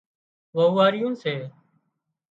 وئوئاريون سي